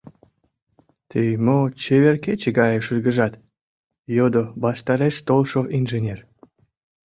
— Тый мо чевер кече гае шыргыжат? — йодо ваштареш толшо инженер.